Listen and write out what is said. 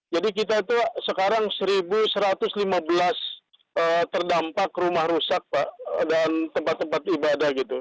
jadi kita itu sekarang satu satu ratus lima belas terdampak rumah rusak dan tempat tempat ibadah gitu